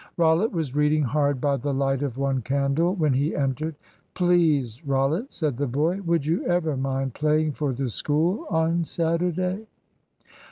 Rollitt was reading hard by the light of one small candle when he entered. "Please, Rollitt," said the boy, "would you ever mind playing for the School on Saturday?"